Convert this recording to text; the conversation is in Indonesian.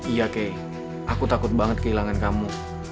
iya kek aku takut banget kehilangan kamu